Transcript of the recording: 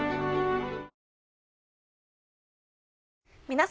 皆様。